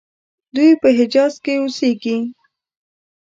دوی په حجاز کې اوسیږي.